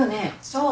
そう。